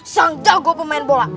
sang jago pemain bola